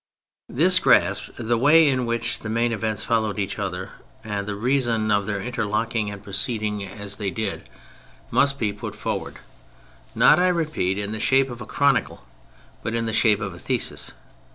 This grasped, the way in which the main events followed each other, and the reason of their interlocking and proceeding as they ivi^09062 vi PREFACE did must be put forward — not, I repeat, in the shape of a chronicle, but in the shape of a thesis.